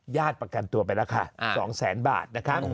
ญาติประกันตัวไปแล้วค่ะ๒๐๐๐๐๐บาท